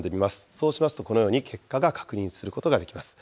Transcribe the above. そうしますと、このように結果が確認することができます。